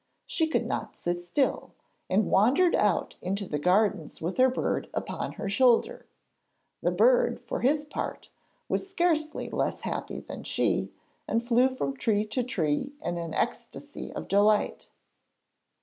She could not sit still, and wandered out into the gardens with her bird upon her shoulder. The bird, for his part, was scarcely less happy than she, and flew from tree to tree in an ecstasy of delight.